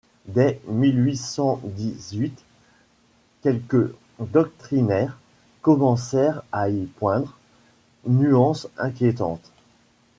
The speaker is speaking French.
Dès mille huit cent dix-huit, quelques doctrinaires commencèrent à y poindre, nuance inquiétante.